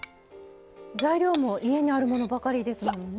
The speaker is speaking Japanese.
材料も家にあるものばかりですもんね。